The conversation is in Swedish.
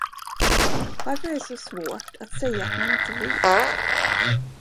Varför är det så svårt att säga att man inte vet?